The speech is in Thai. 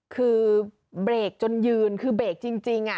คือเบรกจนยืนคือเบรกจริงจริงอะ